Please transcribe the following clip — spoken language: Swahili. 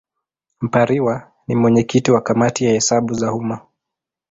Mpariwa ni mwenyekiti wa Kamati ya Hesabu za Umma.